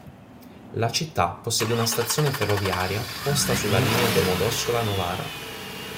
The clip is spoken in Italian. La città possiede una stazione ferroviaria posta sulla linea Domodossola-Novara.